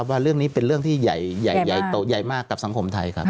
ว่าเรื่องนี้เป็นเรื่องที่ใหญ่มากกับสังคมไทย